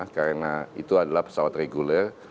karena itu adalah pesawat reguler